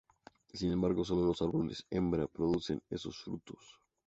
Sin embargo, solo los árboles hembra producen esos frutos.